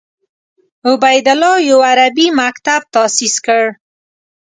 عبیدالله یو عربي مکتب تاسیس کړ.